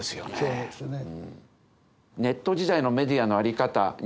そうですね。